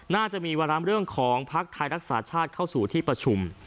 น่าจะมีวารามเรื่องของภักดิ์ไทยรักษาชาติเข้าสู่ที่ประชุม